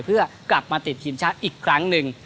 เพื่อกลับมาติดทีมชาติอีกครั้งหนึ่ง